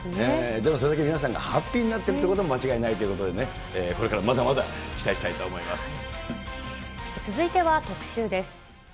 でもそれだけ皆さんがハッピーになってるのは間違いないということで、これからもまだまだ期続いては特シューです。